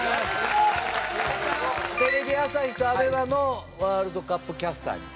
テレビ朝日とＡＢＥＭＡのワールドカップキャスターに。